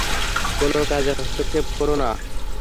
কোনো কাজে হস্তক্ষেপ কোরো না।